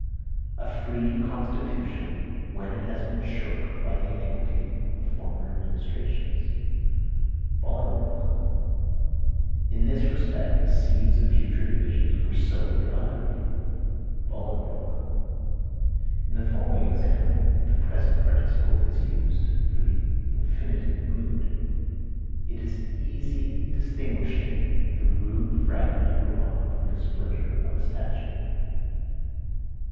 "A free constitution when it has been shook by the iniquity of former administrations." Bolingbroke. "In this respect the seeds of future divisions were sowed abundantly." Ibid. In the following example the present participle is used for the infinitive mood: "It is easy distinguishing the rude fragment of a rock from the splinter of a statue."